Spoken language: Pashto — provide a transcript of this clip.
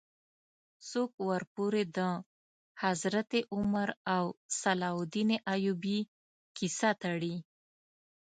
څوک ورپورې د حضرت عمر او صلاح الدین ایوبي کیسه تړي.